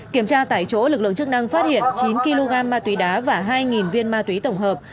kiểm tra tại chỗ lực lượng chức năng phát hiện chín kg ma túy đá và hai viên ma túy tổng hợp